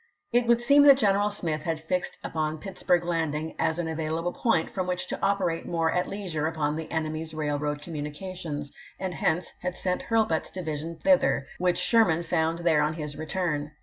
It would seem that General Smith had fixed up on Pittsburg Landing as an available point from which to operate more at leisure upon the enemy's railroad communications, and hence had sent Hurl but's division thither, which Sherman found there on his return.